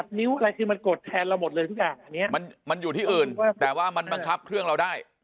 บ้านมันกดแทนเราหมดเลยของความมันอยู่ที่อื่นแต่ว่ามันมัดครับเครื่องเราได้